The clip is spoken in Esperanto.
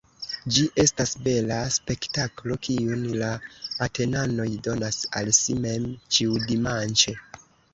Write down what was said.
Ĝi estas bela spektaklo, kiun la Atenanoj donas al si mem ĉiudimanĉe.